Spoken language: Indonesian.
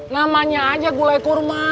namanya aja gulai kurma